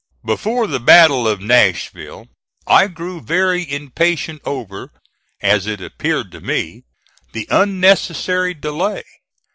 Before the battle of Nashville I grew very impatient over, as it appeared to me, the unnecessary delay.